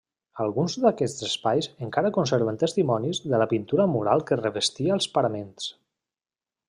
Alguns d'aquests espais encara conserven testimonis de la pintura mural que revestia els paraments.